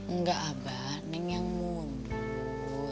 enggak abah nek yang mundur